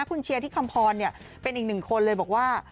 คุณเชียร์ที่คำพรเป็นอีกหนึ่งคนเลยบอกว่า